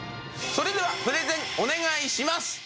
それではプレゼンお願いします。